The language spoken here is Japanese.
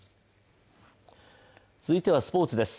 続いてはスポーツです。